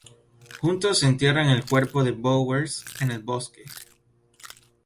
Juntos entierran el cuerpo de Bowers en el bosque.